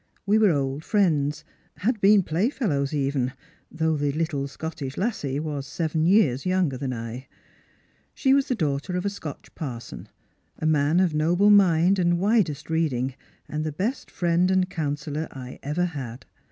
We were old friends, had been playfellows even, though the little Scottish lassie was seven years younger than I. She was the daughter of a Scotch parson, a mm of noble mind and widest reading, and the best friend and •'■•.Hsellor I ever had.